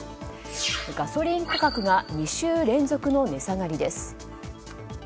ガソリン価格が２週連続の値下がりです。